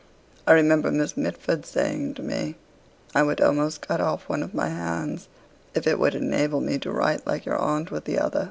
I remember Miss Mitford's saying to me: 'I would almost cut off one of my hands, if it would enable me to write like your aunt with the other.'